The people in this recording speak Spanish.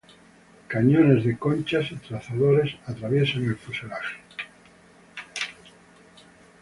Cañones de conchas y trazadores atraviesan el fuselaje.